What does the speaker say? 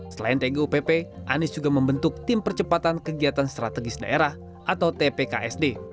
selain tgupp anies juga membentuk tim percepatan kegiatan strategis daerah atau tpksd